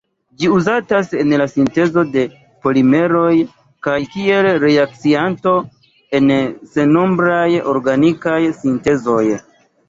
Ĝi uzatas en la sintezo de polimeroj kaj kiel reakcianto en sennombraj organikaj sintezoj.